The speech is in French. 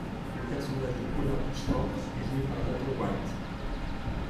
Le personnage de Colin Pitchfork est joué par Nathan Wright.